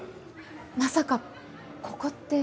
まさかここって。